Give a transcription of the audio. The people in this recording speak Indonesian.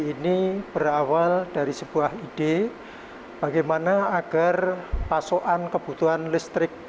ini berawal dari sebuah ide bagaimana agar pasokan kebutuhan listrik